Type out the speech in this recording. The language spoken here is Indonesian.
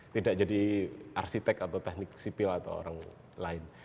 tidak jadi arsitek atau teknik sipil atau orang lain